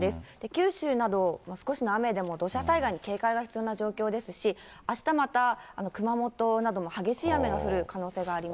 九州など少しの雨でも土砂災害に警戒が必要な状況ですし、あしたまた、熊本なども激しい雨が降る可能性があります。